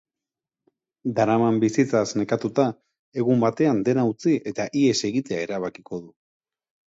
Daraman bizitzaz nekatuta, egun batean dena utzi eta ihes egitea erabakiko du.